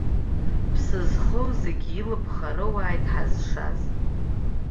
Ԥсы зхоу зегьы илԥха роуааит ҳазшаз.